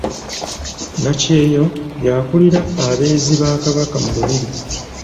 Nakyeyo y’akulira abeezi ba Kabaka mu lubiri.